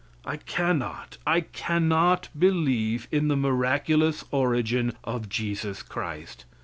I cannot I cannot believe in the miraculous origin of Jesus Christ.